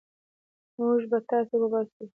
موږ به تاسي وباسو.